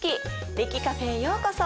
歴Ｃａｆｅへようこそ。